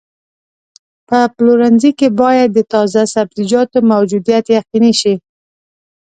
په پلورنځي کې باید د تازه سبزیجاتو موجودیت یقیني شي.